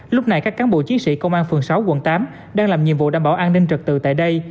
lúc này các cán bộ chiến sĩ công an phường sáu quận tám đang làm nhiệm vụ đảm bảo an ninh trật tự tại đây